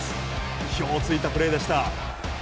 意表を突いたプレーでした。